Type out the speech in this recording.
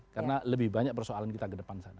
karena lebih banyak persoalan kita ke depan sana